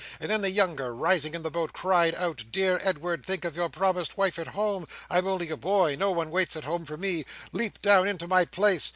And then the younger, rising in the boat, cried out, 'Dear Edward, think of your promised wife at home. I'm only a boy. No one waits at home for me. Leap down into my place!